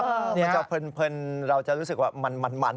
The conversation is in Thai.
มันจะเพลินเราจะรู้สึกว่ามันมันมัน